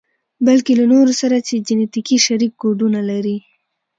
بلکې له نورو سره چې جنتیکي شريک کوډونه لري.